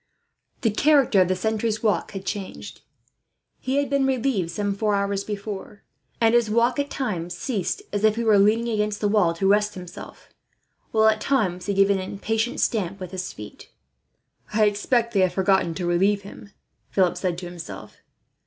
The character of the sentry's walk had changed. He had been relieved some four hours before, and his walk at times ceased, as if he were leaning against the wall to rest himself, while at times he gave an impatient stamp with his feet. "I expect they have forgotten to relieve him," Philip said to himself.